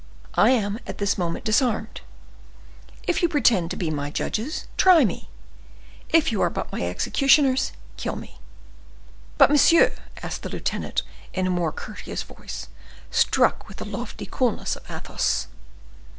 I am at this moment disarmed; if you pretend to be my judges, try me; if you are but my executioners, kill me." "But, monsieur—" asked the lieutenant, in a more courteous voice, struck with the lofty coolness of Athos.